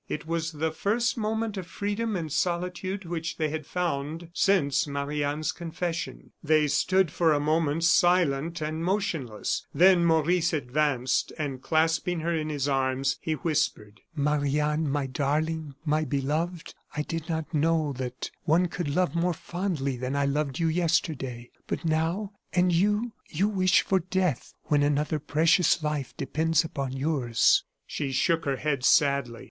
It was the first moment of freedom and solitude which they had found since Marie Anne's confession. They stood for a moment, silent and motionless, then Maurice advanced, and clasping her in his arms, he whispered: "Marie Anne, my darling, my beloved, I did not know that one could love more fondly than I loved you yesterday; but now And you you wish for death when another precious life depends upon yours." She shook her head sadly.